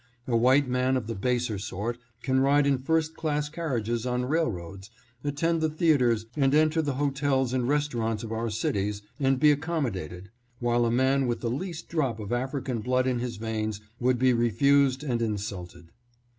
A white man of the baser sort can ride in first class carriages on railroads, attend the theaters and enter the hotels and restaurants of our cities, and be accommodated, while a man with the least drop of Afri can blood in his veins would be refused and insulted.